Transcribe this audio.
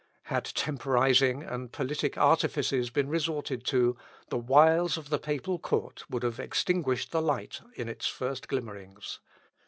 Had temporising and politic artifices been resorted to, the wiles of the papal court would have extinguished the light in its first glimmerings.